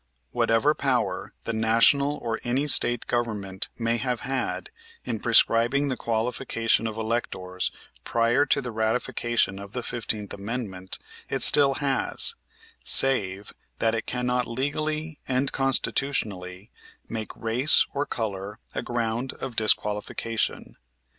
Whatever power the national or any state government may have had in prescribing the qualification of electors prior to the ratification of the Fifteenth Amendment it still has, save that it cannot legally and constitutionally make race or color a ground of disqualification.